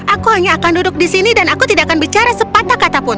aku hanya akan duduk di sini dan aku tidak akan bicara sepatah katapun